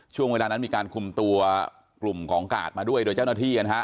ช่วงเวลานั้นมีการคุมตัวกลุ่มของกาดมาด้วยโดยเจ้าหน้าที่นะฮะ